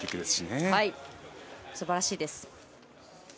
すばらしいです。